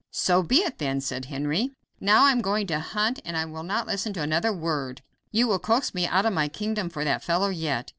"So be it then," said Henry. "Now I am going out to hunt and will not listen to another word. You will coax me out of my kingdom for that fellow yet."